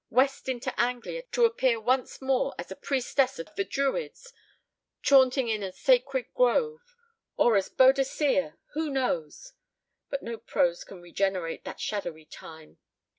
west into Anglia to appear once more as a Priestess of the Druids chaunting in a sacred grove ... or as Boadicea who knows! But no prose can regenerate that shadowy time.